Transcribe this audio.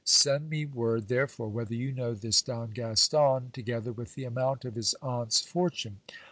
Send me word, therefore, whether you know this Don Gaston, together with the amount of his aunt's fortune.